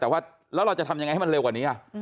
แต่ว่าแล้วเราจะทำยังไงให้มันเร็วกว่านี้